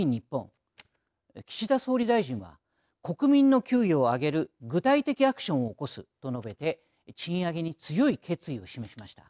岸田総理大臣は「国民の給与を上げる具体的アクションを起こす」と述べて賃上げに強い決意を示しました。